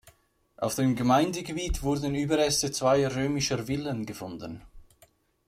Auf dem Gemeindegebiet wurden Überreste zweier römischer Villen gefunden.